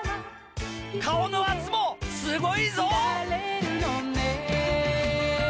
顔の圧もすごいぞ！